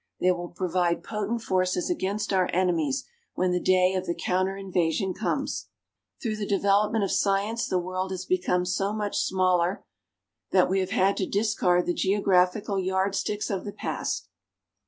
They will provide potent forces against our enemies, when the day of the counter invasion comes. Through the development of science the world has become so much smaller that we have had to discard the geographical yardsticks of the past.